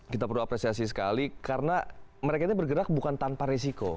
kita perlu apresiasi sekali karena mereka ini bergerak bukan tanpa risiko